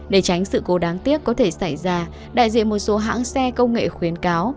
để tránh sự cố đáng tiếc có thể xảy ra đại diện một số hãng xe công nghệ khuyến cáo